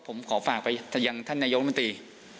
ผมขอฝากไปยังท่านนายกมนตรี